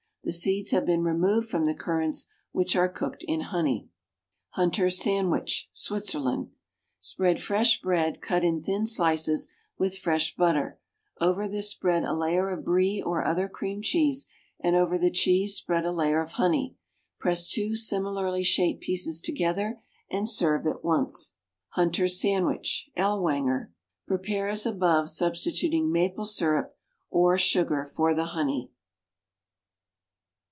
The seeds have been removed from the currants, which are cooked in honey. =Hunter's Sandwich (Switzerland).= Spread fresh bread, cut in thin slices, with fresh butter; over this spread a layer of Brie or other cream cheese, and over the cheese spread a layer of honey. Press two similarly shaped pieces together and serve at once. =Hunter's Sandwich (Ellwanger).= Prepare as above, substituting maple syrup (or sugar) for the honey.